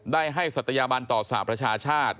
ได้ให้ศัตยาบันต่อสหประชาชาติ